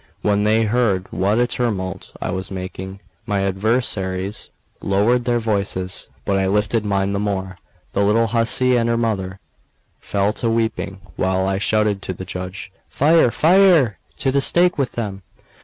When they heard what a tumult I was making, my adversaries lowered their voices, but I lifted mine the more. The little hussy and her mother fell to weeping, while I shouted to the judge: "Fire, fire! to the stake with them!"